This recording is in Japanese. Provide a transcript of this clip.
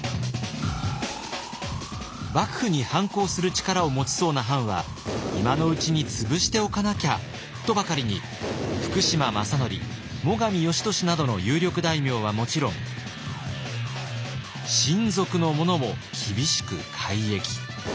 幕府に反抗する力を持ちそうな藩は今のうちに潰しておかなきゃとばかりに福島正則最上義俊などの有力大名はもちろん親族の者も厳しく改易。